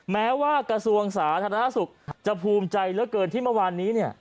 แม้ว่ากระทรวงศาสตร์ธรรมดาศุกร์จะภูมิใจเหลือเกินที่เมื่อวานนี้